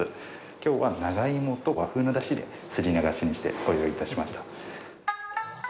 きょうは、長芋と和風の出汁ですり流しにして、ご用意いたしました。